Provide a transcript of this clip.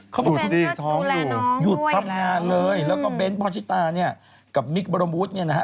ปกติท้องอยู่หยุดทำงานเลยแล้วก็เบ้นพรชิตาเนี่ยกับมิคบรมวุฒิเนี่ยนะฮะ